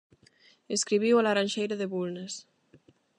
Escribiu "A laranxeira de Bulnes".